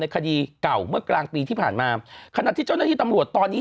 คดีเก่าเมื่อกลางปีที่ผ่านมาขณะที่เจ้าหน้าที่ตำรวจตอนนี้